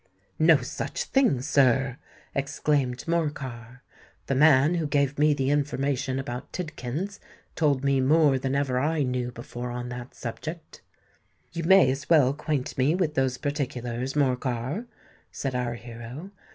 "No such thing, sir!" exclaimed Morcar. "The man who gave me the information about Tidkins, told me more than ever I knew before on that subject." "You may as well acquaint me with those particulars, Morcar," said our hero.